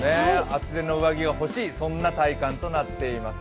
厚手の上着がほしい、そんな体感となっています。